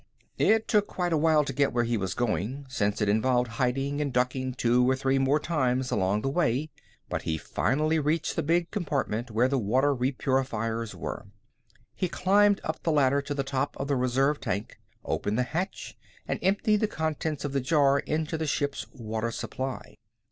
It took quite a while to get where he was going, since it involved hiding and ducking two or three more times along the way, but he finally reached the big compartment where the water repurifiers were. He climbed up the ladder to the top of the reserve tank, opened the hatch, and emptied the contents of the jar into the ship's water supply.